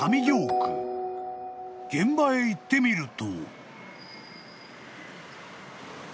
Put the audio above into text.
［現場へ行ってみると］